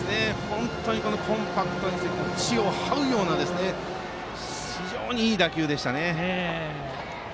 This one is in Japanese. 本当にコンパクトに打って地をはうような非常にいい打球でした。